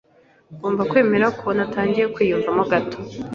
Ngomba kwemerera ko natangiye kwiyumvamo gato.